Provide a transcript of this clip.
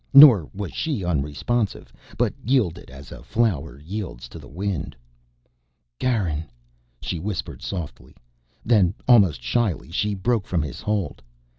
Nor was she unresponsive, but yielded, as a flower yields to the wind. "Garin!" she whispered softly. Then, almost shyly, she broke from his hold.